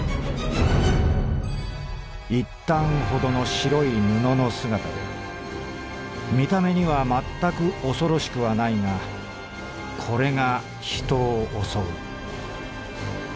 「一反ほどの白い布の姿で見た目にはまったく恐ろしくはないがこれが人を襲う。